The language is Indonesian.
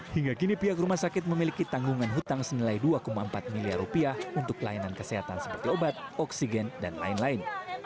hingga kini pihak rumah sakit memiliki tanggungan hutang senilai dua empat miliar rupiah untuk pelayanan kesehatan seperti obat oksigen dan lain lain